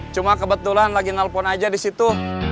cuma kebetulan lagi nelfon aja disitu